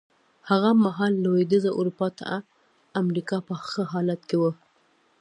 هغه مهال لوېدیځه اروپا تر امریکا په ښه حالت کې وه.